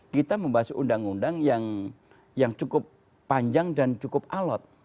kita membahas undang undang yang cukup panjang dan cukup alot